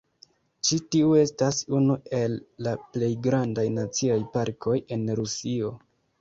Ĉi tiu estas unu el la plej grandaj naciaj parkoj en Rusio.